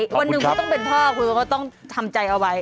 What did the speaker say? วันหนึ่งคุณต้องเป็นพ่อคุณก็ต้องทำใจเอาไว้